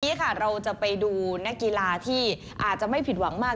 วันนี้ค่ะเราจะไปดูนักกีฬาที่อาจจะไม่ผิดหวังมาก